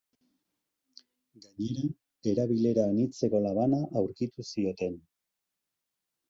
Gainera, erabilera anitzeko labana aurkitu zioten.